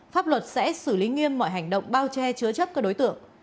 pháp luật sẽ xử lý nghiêm mọi hành động bao che chứa chấp các đối tượng